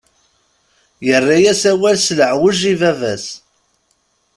Yerra-yas awal s leɛweǧ i baba-s.